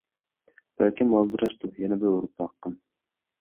بەلكىم ئالدىراشتۇ، يەنە بىر ئۇرۇپ باققىن.